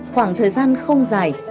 khoảng thời gian không dài